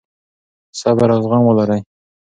صبر او زغم ولرئ.